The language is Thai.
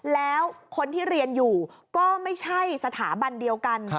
แล้วคนที่เรียนอยู่ก็ไม่ใช่สถาบันเดียวกัน